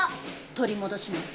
取り戻します。